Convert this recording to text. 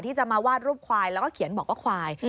ที่จะมาวาดรูปควายแล้วก็เขียนบอกว่าควาย